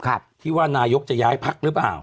คาดที่ว่านายกจะย้ายภักดิ์หรือเปล่า